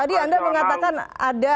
tadi anda mengatakan ada